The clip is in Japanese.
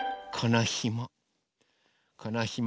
このひも。